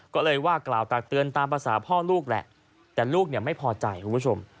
ก็เลยว่ากล่าวตักเตือนตามภาษาพ่อลูกแหละแต่ลูกเนี่ยไม่พอใจคุณผู้ชม